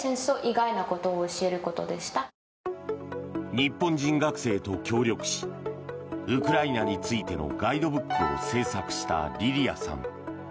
日本人学生と協力しウクライナについてのガイドブックを制作したリリアさん。